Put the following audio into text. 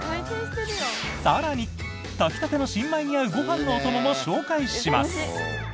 更に、炊きたての新米に合うご飯のお供も紹介します！